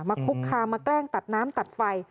คุกคามมาแกล้งตัดน้ำตัดไฟ